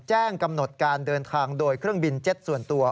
กำหนดการเดินทางโดยเครื่องบินเจ็ตส่วนตัว